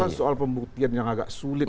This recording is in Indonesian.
itu kan soal pembuktian yang agak sulit